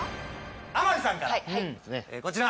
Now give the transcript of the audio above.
天海さんからこちら。